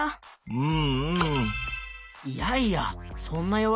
うん。